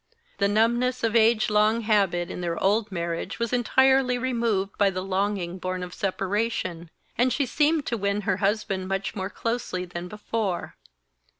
The numbness of age long habit in their old marriage was entirely removed by the longing born of separation, and she seemed to win her husband much more closely than before.